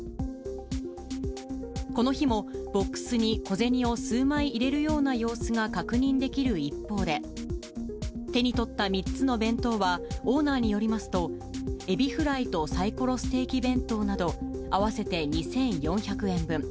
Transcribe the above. この日もボックスに小銭を数枚入れるような様子が確認できる一方で、手に取った３つの弁当は、オーナーによりますと、海老フライとサイコロステーキ弁当など、合わせて２４００円分。